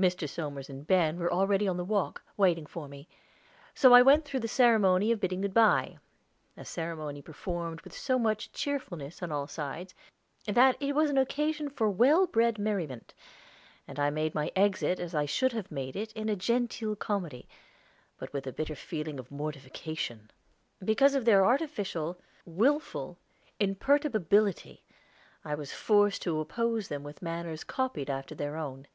Mr. Somers and Ben were already on the walk, waiting for me; so I went through the ceremony of bidding good by a ceremony performed with so much cheerfulness on all sides that it was an occasion for well bred merriment, and I made my exit as I should have made it in a genteel comedy, but with a bitter feeling of mortification, because of their artificial, willful imperturbability I was forced to oppose them with manners copied after their own.